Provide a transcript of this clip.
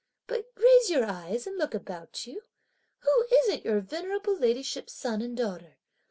But raise your eyes and look about you; who isn't your venerable ladyship's son and daughter?